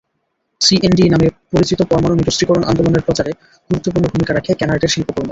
CND নামে পরিচিত পরমাণু নিরস্ত্রীকরণ আন্দোলনের প্রচারে গুরুত্বপূর্ণ ভূমিকা রাখে কেনার্ডের শিল্পকর্ম।